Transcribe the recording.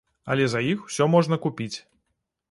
Але за іх усё можна купіць.